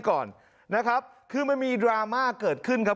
ก่อนนะครับคือมันมีดราม่าเกิดขึ้นครับ